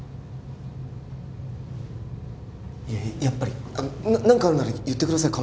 やっぱり何かあるなら言ってください